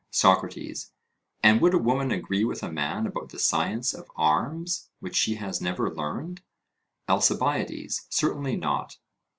SOCRATES: And would a woman agree with a man about the science of arms, which she has never learned? ALCIBIADES: Certainly not.